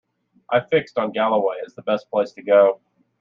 I fixed on Galloway as the best place to go.